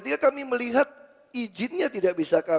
ketika kami melihat izinnya tidak bisa kami batalkan